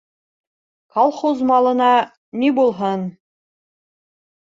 - Калхуз малына ни булһын...